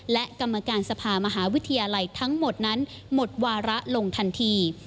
และกรรมการสภามหาวิทยาลัยทั้งหมดนั้นหมดวาระลงทันที